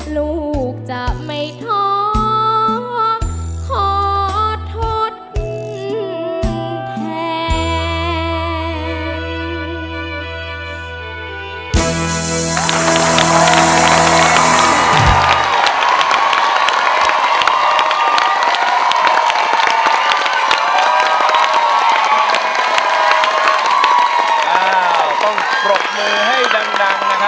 ลูกจะไม่ท้อขอโทษแทน